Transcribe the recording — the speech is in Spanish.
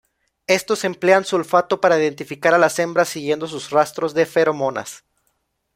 Estos emplean su olfato para identificar a las hembras siguiendo sus rastros de feromonas.